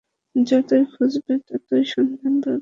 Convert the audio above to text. যতোই খুঁজবে, ততোই সন্ধান পাবে।